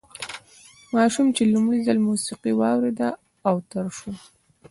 ماشوم چې لومړی ځل موسیقي واورېده اوتر شو